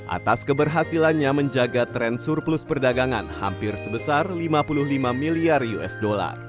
atas keberhasilannya menjaga tren surplus perdagangan hampir sebesar lima puluh lima miliar usd